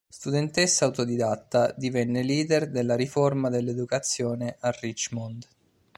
Studentessa autodidatta, divenne leader della riforma dell'educazione a Richmond.